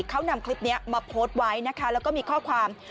เขานำคลิปนี้มาโพสต์ไว้นะคะแล้วก็มีข้อความ